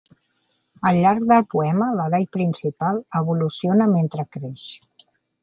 Al llarg del poema, l'heroi principal evoluciona mentre creix.